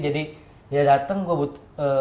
jadi dari dateng gue butuh